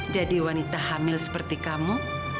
jadi wanita hamil seperti kamu